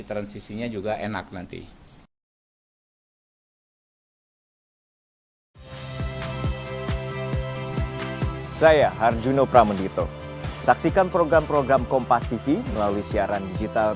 sangat nanti saya harjuno pramendito saksikan program program kompas tv melalui siaran digital